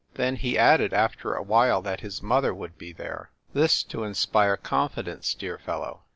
Then he added after a while that his mother would be there. This to inspire confidence, dear fellow